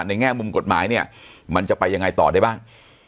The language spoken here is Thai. แง่มุมกฎหมายเนี่ยมันจะไปยังไงต่อได้บ้าง